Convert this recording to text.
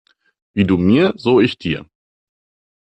Wie du mir, so ich dir.